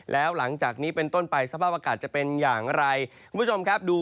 แล้วหลังจากนี้เป็นต้นไปสภาพอากาศจะเป็นอย่างไรคุณผู้ชมครับดู